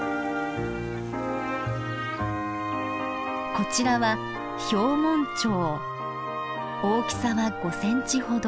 こちらは大きさは５センチほど。